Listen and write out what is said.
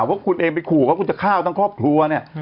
ว่าคุณเองไปขู่ว่าคุณจะฆ่าทั้งครอบครัวเนี่ย